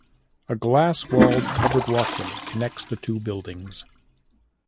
A glass walled covered walkway connects the two buildings.